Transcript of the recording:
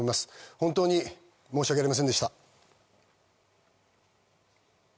本当に申しわけありませんでした。